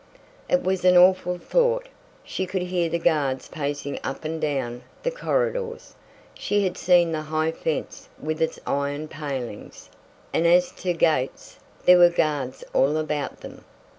It was an awful thought! She could hear the guards pacing up and down the corridors, she had seen the high fence with its iron palings, and as to gates there were guards all about them.